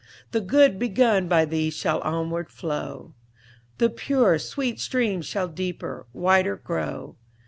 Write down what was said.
The good begun by thee shall onward flow. The pure, sweet stream shall deeper, wider grow.